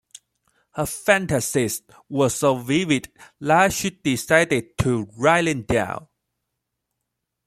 Her fantasies were so vivid that she decided to write them down.